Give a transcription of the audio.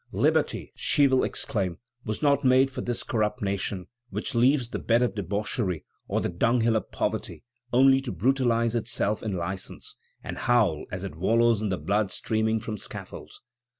"Liberty," she will exclaim, "was not made for this corrupt nation, which leaves the bed of debauchery or the dunghill of poverty only to brutalize itself in license, and howl as it wallows in the blood streaming from scaffolds."